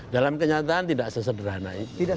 dalam kenyataan tidak sesederhana itu